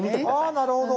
あなるほど。